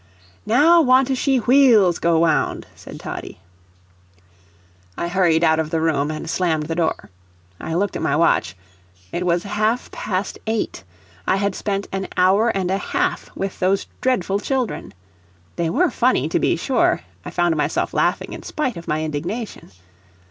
"Now want to shee wheels go wound," said Toddie. I hurried out of the room and slammed the door. I looked at my watch it was half past eight; I had spent an hour and a half with those dreadful children. They WERE funny to be sure I found myself laughing in spite of my indignation.